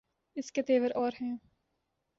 اس کے تیور اور ہیں۔